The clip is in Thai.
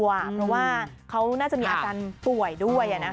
เพราะว่าเขาน่าจะมีอาการป่วยด้วย